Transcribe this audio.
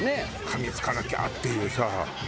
「かみ付かなきゃっていうさ。